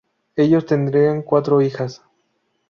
Ellos tendrían cuatro hijos.